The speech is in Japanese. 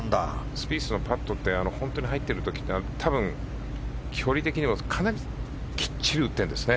スピースのパットって本当に入ってる時は距離的には、かなりきっちり打ってるんですね。